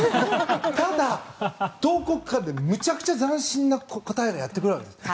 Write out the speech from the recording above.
ただ、どこかで無茶苦茶斬新な答えがやってくるわけです。